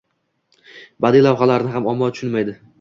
Badiiy lavhalarni ham omma tushunmaydi.